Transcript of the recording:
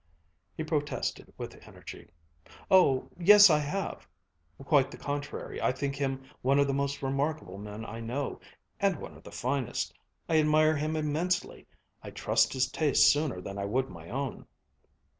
He protested with energy. "Oh yes, I have. Quite the contrary, I think him one of the most remarkable men I know, and one of the finest. I admire him immensely. I'd trust his taste sooner than I would my own."